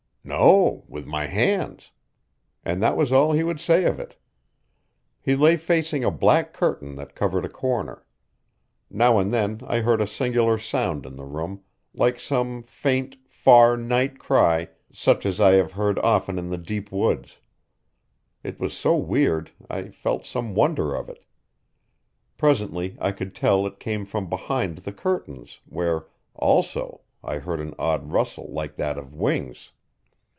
'No with my hands,' and that was all he would say of it. He lay facing a black curtain that covered a corner. Now and then I heard a singular sound in the room like some faint, far, night cry such as I have heard often in the deep woods. It was so weird I felt some wonder of it. Presently I could tell it came from behind the curtain where, also, I heard an odd rustle like that of wings.